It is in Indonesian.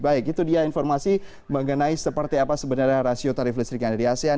baik itu dia informasi mengenai seperti apa sebenarnya rasio tarif listrik yang ada di asean